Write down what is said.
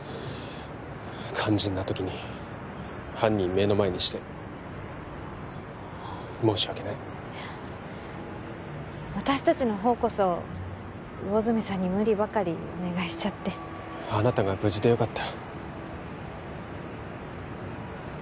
肝心な時に犯人目の前にして申し訳ない私達の方こそ魚住さんに無理ばかりお願いしちゃってあなたが無事でよかった